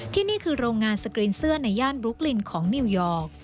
ที่นี่คือโรงงานสกรีนเสื้อในย่านบลุ๊กลินของนิวยอร์ก